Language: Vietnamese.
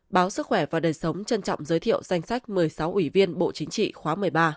báo sức khỏe và đời sống trân trọng giới thiệu danh sách một mươi sáu ủy viên bộ chính trị khóa một mươi ba